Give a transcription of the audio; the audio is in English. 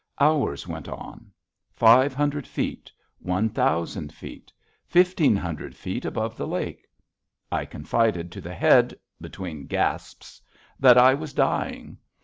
Hours went on. Five hundred feet, one thousand feet, fifteen hundred feet above the lake. I confided to the Head, between gasps, that I was dying.